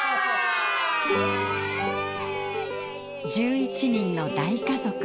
１１人の大家族。